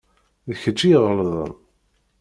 D kečč i iɣelḍen